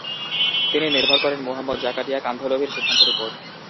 তিনি নির্ভর করেন মুহাম্মদ জাকারিয়া কান্ধলভির সিদ্ধান্তের উপর।